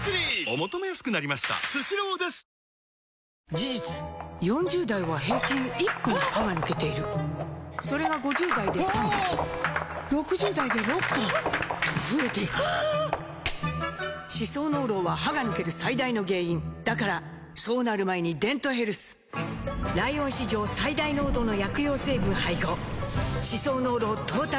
事実４０代は平均１本歯が抜けているそれが５０代で３本６０代で６本と増えていく歯槽膿漏は歯が抜ける最大の原因だからそうなる前に「デントヘルス」ライオン史上最大濃度の薬用成分配合歯槽膿漏トータルケア！